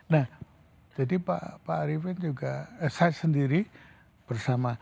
nah jadi pak arifin juga saya sendiri bersama